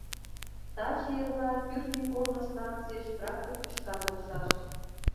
Таче-эрла кӱртньӧ корно станцийыш трактор тӱшка толшаш.